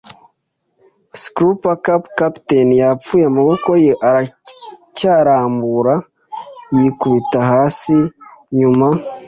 scuppers, cap-capit yapfuye, amaboko ye aracyarambura, yikubita hasi nyuma